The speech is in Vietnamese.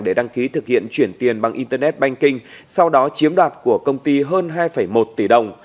để đăng ký thực hiện chuyển tiền bằng internet banking sau đó chiếm đoạt của công ty hơn hai một tỷ đồng